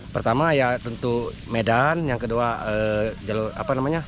pertama ya tentu medan yang kedua jalur apa namanya